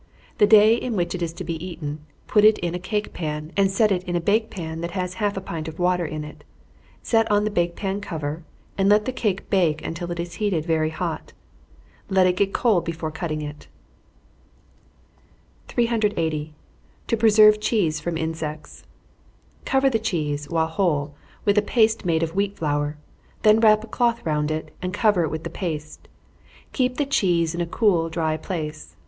The day in which it is to be eaten, put it in a cake pan, and set it in a bake pan that has half a pint of water in it set on the bake pan cover, and let the cake bake till it is heated very hot. Let it get cold before cutting it. 380. To preserve Cheese from Insects. Cover the cheese, while whole, with a paste made of wheat flour; then wrap a cloth round it, and cover it with the paste. Keep the cheese in a cool, dry place.